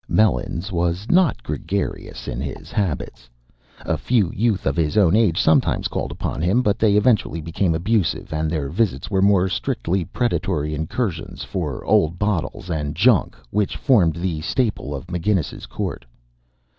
Melons was not gregarious in his habits. A few youth of his own age sometimes called upon him, but they eventually became abusive, and their visits were more strictly predatory incursions for old bottles and junk which formed the staple of McGinnis's Court.